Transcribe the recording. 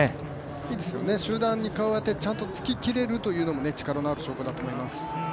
いいですよね、集団につききれるというのも、力のある証拠だと思います。